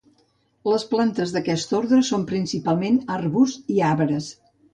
Les plantes d'aquest ordre són principalment arbusts i arbres.